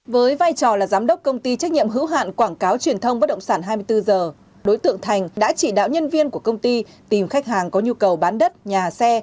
với vai trò là giám đốc công ty trách nhiệm hữu hạn quảng cáo truyền thông bất động sản hai mươi bốn h đối tượng thành đã chỉ đạo nhân viên của công ty tìm khách hàng có nhu cầu bán đất nhà xe